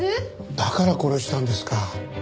だから殺したんですか。